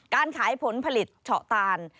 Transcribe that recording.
การขายผลผลิตเฉาะตาน